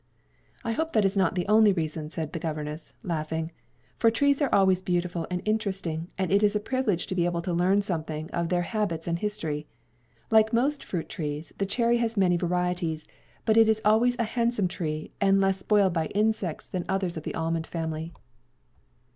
"I hope that is not the only reason," said his governess, laughing, "for trees are always beautiful and interesting and it is a privilege to be able to learn something of their habits and history. Like most fruit trees, the cherry has many varieties, but it is always a handsome tree, and less spoiled by insects than others of the almond family.